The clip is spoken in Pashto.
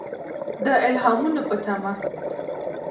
د الهامونو په تمه.